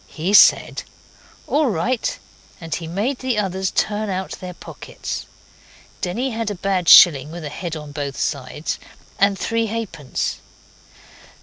He said 'All right,' and he made the others turn out their pockets. Denny had a bad shilling, with a head on both sides, and three halfpence.